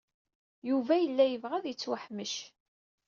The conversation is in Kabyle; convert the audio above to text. Yuba yella yebɣa ad yettwaḥmec.